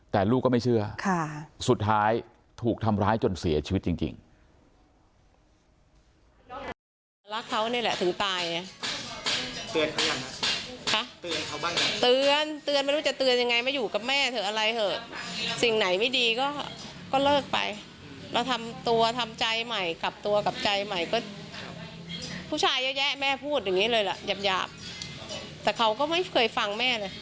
แต่ลูกก็ไม่เชื่อสุดท้ายถูกทำร้ายจนเสียชีวิตจริง